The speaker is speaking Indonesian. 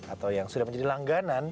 atau yang sudah menjadi langganan